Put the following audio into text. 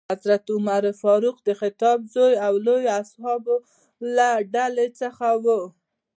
حضرت عمر فاروق د خطاب زوی او لویو اصحابو له ډلې څخه ؤ.